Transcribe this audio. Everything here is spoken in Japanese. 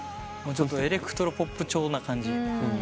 ちょっとエレクトロポップ調な感じ。